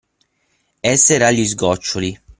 Essere agli sgoccioli.